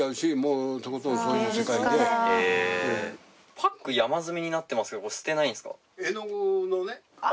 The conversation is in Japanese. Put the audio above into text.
パック山積みになってますけどこれ捨てないんですか？